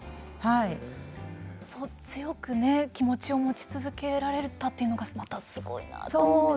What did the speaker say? そう強くね気持ちを持ち続けられたというのがまたすごいなと思うんですけど。